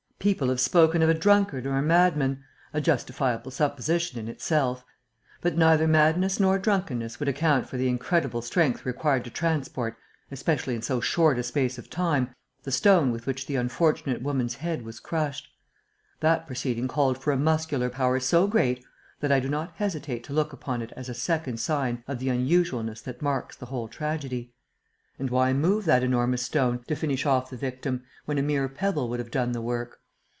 People have spoken of a drunkard or a madman, a justifiable supposition in itself. But neither madness nor drunkenness would account for the incredible strength required to transport, especially in so short a space of time, the stone with which the unfortunate woman's head was crushed. That proceeding called for a muscular power so great that I do not hesitate to look upon it as a second sign of the unusualness that marks the whole tragedy. And why move that enormous stone, to finish off the victim, when a mere pebble would have done the work?